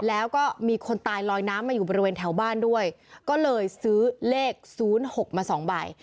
แล้วก็มีคนตายลอยน้ำมาอยู่บริเวณแถวบ้านด้วยก็เลยซื้อเลข๐๖มา๒ใบ